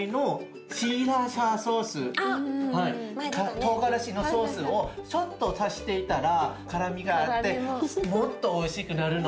トウガラシのソースをちょっと足していたら辛みがあってもっとおいしくなるの。